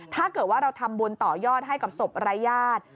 ถ้าเกิดว่าเราทำบุญต่อยอดให้กับศพรายญาติ